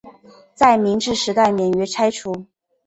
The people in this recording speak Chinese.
在明治时代免于拆除。